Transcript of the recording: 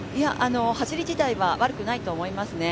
走り自体は悪くないと思いますね。